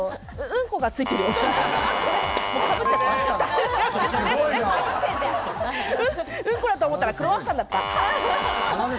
うんこだと思ったらクロワッサンだった。